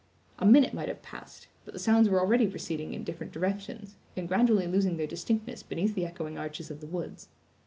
A minute might have passed, but the sounds were already receding in different directions, and gradually losing their distinctness beneath the echoing arches of the woods.